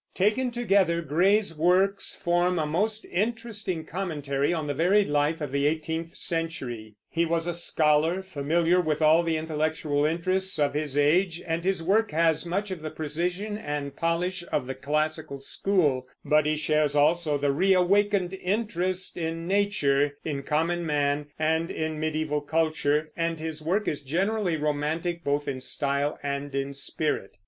Taken together, Gray's works form a most interesting commentary on the varied life of the eighteenth century. He was a scholar, familiar with all the intellectual interests of his age, and his work has much of the precision and polish of the classical school; but he shares also the reawakened interest in nature, in common man, and in mediæval culture, and his work is generally romantic both in style and in spirit.